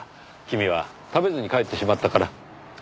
君は食べずに帰ってしまったから。